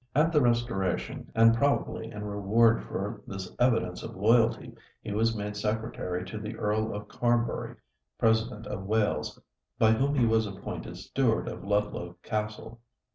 At the Restoration, and probably in reward for this evidence of loyalty, he was made secretary to the Earl of Carbury, President of Wales, by whom he was appointed steward of Ludlow Castle.